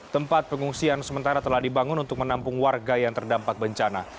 tempat pengungsian sementara telah dibangun untuk menampung warga yang terdampak bencana